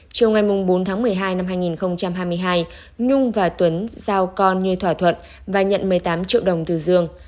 chiều ngày bốn tháng một mươi hai năm hai nghìn hai mươi hai nhung và tuấn giao con như thỏa thuận và nhận một mươi tám triệu đồng từ dương